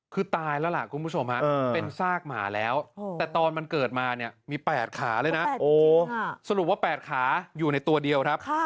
คือตายแล้วล่ะคุณผู้ชมเป็นซากหมาแล้วแต่ตอนมันเกิดมาเนี่ยมี๘ขาเลยนะสรุปว่า๘ขาอยู่ในตัวเดียวครับ